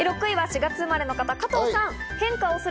６位は４月生まれの方、加藤さん。